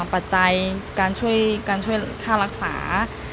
ปัจจัยการช่วยค่ารักษา